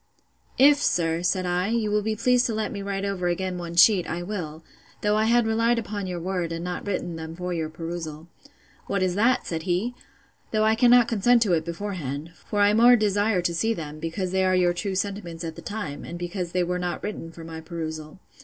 If, sir, said I, you will be pleased to let me write over again one sheet, I will; though I had relied upon your word, and not written them for your perusal. What is that? said he: though I cannot consent to it beforehand: for I more desire to see them, because they are your true sentiments at the time, and because they were not written for my perusal.